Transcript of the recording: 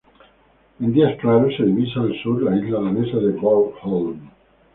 En días claros, se divisa al sur la isla danesa de Bornholm.